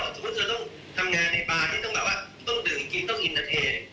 สมมุติเราต้องทำงานในปลาที่ต้องแบบว่าต้องดื่มกินต้องอินเตอร์เทน